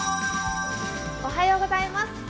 おはようございます。